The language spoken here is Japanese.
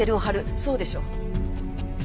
そうでしょ？